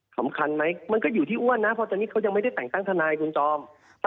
สำคัญไหมมันก็อยู่ที่อ้วนนะเพราะตอนนี้เขายังไม่ได้แต่งตั้งทนายคุณจอม